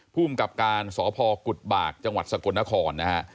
ภูมิกับการสพกุฎบากจังหวัดสกลนครนะฮะ